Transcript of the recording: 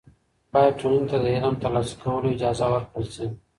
باید ټولني ته د علم تر لاسه کولو اجازه ورکړل سي.